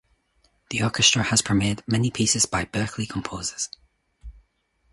The orchestra has premiered many pieces by Berkeley composers.